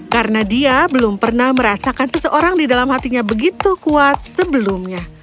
karena dia belum pernah merasakan seseorang di dalam hatinya begitu kuat sebelumnya